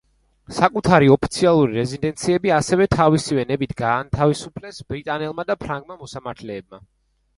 საკუთარი ოფიციალური რეზიდენციები ასევე თავისივე ნებით გაანთავისუფლეს ბრიტანელმა და ფრანგმა მოსამართლეებმა.